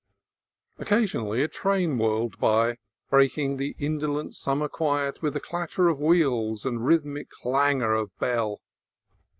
Occasion ally a train whirled by, breaking the indolent sum mer quiet with clatter of wheel and rhythmic clangor of bell.